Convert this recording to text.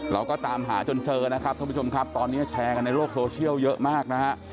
เราก็ตามหาจนเจอนะครับท่านผู้ชมครับตอนนี้แชร์กันในโลกโซเชียลเยอะมากนะฮะ